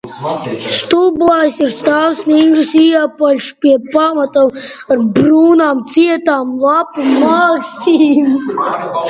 Stublājs ir stāvs, stingrs, ieapaļš, pie pamata ar brūnām, cietām lapu makstīm.